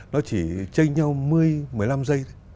nó chỉ chê nhau một mươi một mươi năm giây thôi